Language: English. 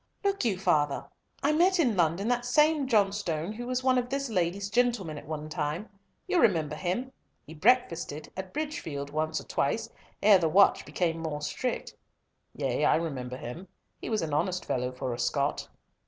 "Look you, father, I met in London that same Johnstone who was one of this lady's gentlemen at one time. You remember him. He breakfasted at Bridgefield once or twice ere the watch became more strict." "Yea, I remember him. He was an honest fellow for a Scot."